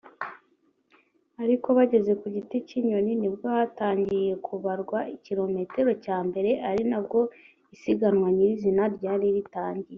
ariko bageze ku Gitikinyoni nibwo hatangiye kubarwa ikilometero cya mbere ari nabwo isiganwa nyirizina ryari ritangiye